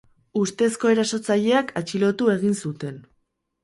Ustezko erasotzaileak atxilotu egin zuten.